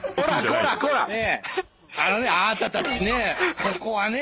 あのねあたたちね